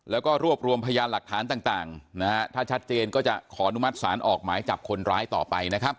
แล้วก็รวบรวมพยานหลักฐานต่างถ้าชัดเจนก็จะขออนุมัติศาลออกหมายจับคนร้ายต่อไปนะครับ